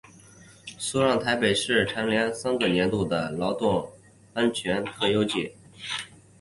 苏让台北市蝉联三个年度的劳动安全特优纪。